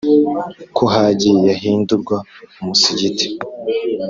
ko Hagi yahindurwa umusigiti.